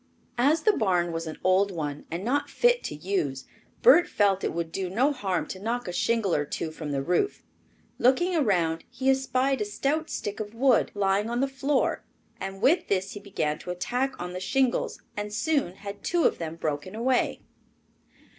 As the barn was an old one and not fit to use, Bert felt it would do no harm to knock a shingle or two from the roof. Looking around, he espied a stout stick of wood lying on the floor and with this he began an attack on the shingles and soon had two of them broken away.